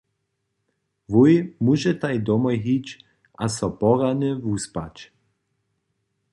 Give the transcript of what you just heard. Wój móžetaj domoj hić a so porjadnje wuspać.